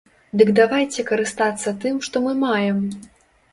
Дык давайце карыстацца тым, што мы маем.